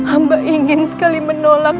amba ingin sekali menolak